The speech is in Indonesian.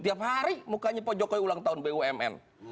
tiap hari mukanya pak jokowi ulang tahun bumn